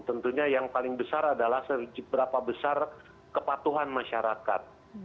tentunya yang paling besar adalah seberapa besar kepatuhan masyarakat